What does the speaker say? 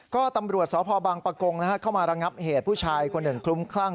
ก็ตำรวจสพบังปะกงเข้ามาระงับเหตุผู้ชายคนหนึ่งคลุ้มคลั่ง